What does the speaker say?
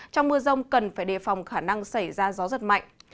trong mưa rông cần phải đề phòng khả năng xảy ra gió giật mạnh